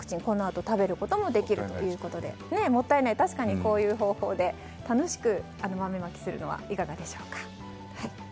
このあとに食べることもできるということで確かにこういう方法で楽しく、豆まきするのはいかがでしょうか。